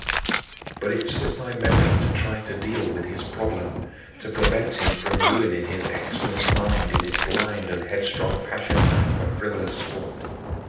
12. But it slipped my memory to try to deal with his problem, to prevent him from ruining his excellent mind in his blind and headstrong passion for frivolous sport.